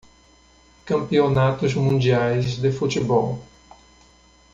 Campeonatos mundiais de futebol.